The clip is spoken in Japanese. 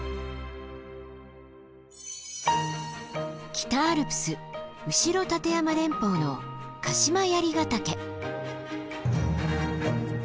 北アルプス後立山連峰の鹿島槍ヶ岳。